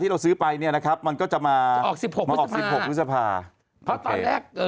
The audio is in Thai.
แล้วก็เอ่อ